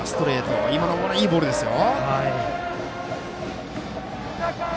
今のボールはいいボールですよ。